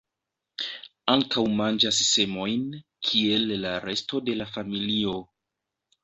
Ankaŭ manĝas semojn, kiel la resto de la familio.